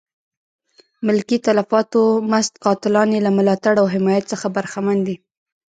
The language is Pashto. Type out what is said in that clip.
ملکي تلفاتو مست قاتلان یې له ملاتړ او حمایت څخه برخمن دي.